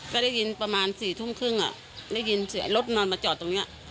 ก็ได้ยินประมาณ๔ทุ่มครึ่งได้ยินเสียงรถนอนมาจอดตรงนี้